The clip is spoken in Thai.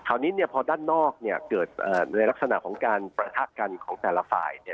เนี่ยพอด้านนอกเนี่ยเกิดในลักษณะของการประทะกันของแต่ละฝ่ายเนี่ย